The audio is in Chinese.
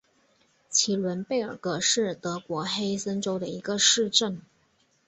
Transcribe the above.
齐伦贝尔格是德国黑森州的一个市镇。